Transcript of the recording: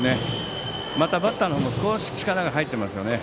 またバッターのほうも少し力が入っていますね。